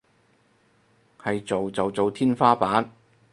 係做就做天花板